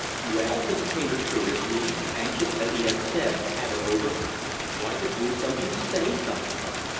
"Well," said the painter, curiously, anxious, as he had said, to have it over, "why the deuce don't you say something?"